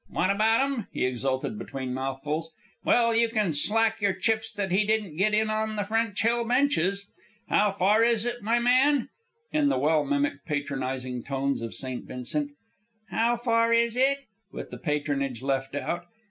"What about 'm?" he exulted between mouthfuls. "Well, you can stack your chips that he didn't get in on the French Hill benches. How far is it, my man?" (in the well mimicked, patronizing tones of St. Vincent). "How far is it?" with the patronage left out.